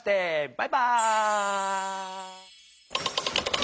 バイバーイ！